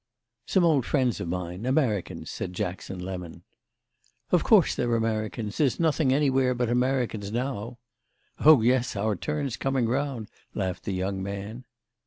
"Some old friends of mine—Americans," said Jackson Lemon. "Of course they're Americans; there's nothing anywhere but Americans now." "Oh yes, our turn's coming round!" laughed the young man.